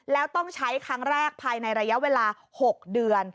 แล้วต้องใช้ครั้งแรกภายในระยะเวลา๖เดือน